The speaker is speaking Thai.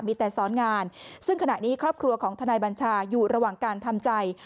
มีแต่สอนงานซึ่งขณะนี้ครอบครัวของทนายบัญชาอยู่ระหว่างการทำใจ